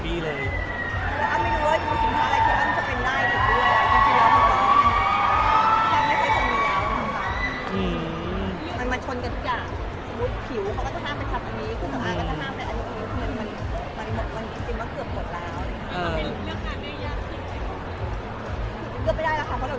พี่เอ็มเค้าเป็นระบองโรงงานหรือเปลี่ยนไงครับ